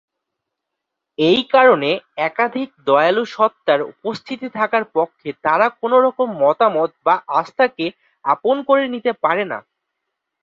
এই কারণে একাধিক দয়ালু সত্তার উপস্থিতি থাকার পক্ষে তারা কোন রকম মতামত বা আস্থা কে আপন করে নিতে পারে না।